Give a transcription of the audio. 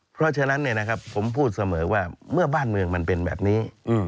เพราะฉะนั้นผมพูดเสมอว่าเมื่อบ้านเมืองมันเป็นแบบนี้